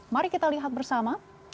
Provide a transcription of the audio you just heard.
mari kita lihat bersama